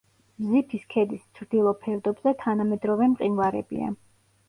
ბზიფის ქედის ჩრდილო ფერდობზე თანამედროვე მყინვარებია.